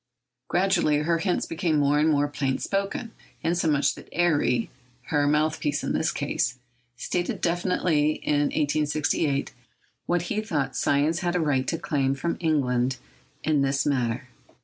Gradually, her hints became more and more plain spoken; insomuch that Airy—her mouthpiece in this case—stated definitely in 1868 what he thought science had a right to claim from England in this matter.